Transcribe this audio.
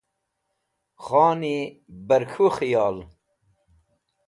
Khoni Bar K̃hu Khiyol